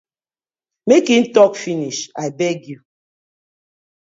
Mek im tok finish abeg yu.